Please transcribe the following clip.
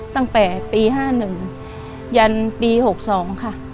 ตั้งแต่ปี๕๑ยันปี๖๒ค่ะ